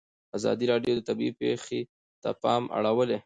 ازادي راډیو د طبیعي پېښې ته پام اړولی.